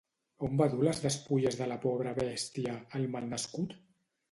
On va dur les despulles de la pobra bèstia, el mal nascut?